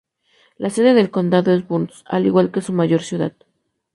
La sede del condado es Burns, al igual que su mayor ciudad.